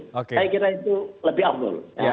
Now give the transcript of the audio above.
saya kira itu lebih abdul